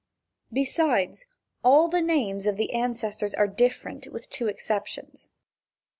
Besides, the names of all the ancestors are different, with two exceptions.